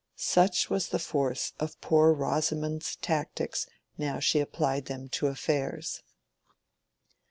Such was the force of Poor Rosamond's tactics now she applied them to affairs.